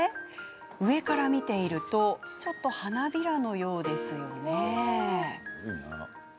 上から見てみるとなんだか花びらのようですね。